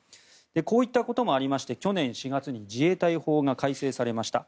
こういったこともありまして去年４月に自衛隊法が改正されました。